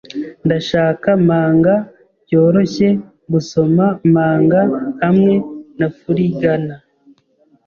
Ndashaka manga byoroshye-gusoma-manga hamwe na furigana.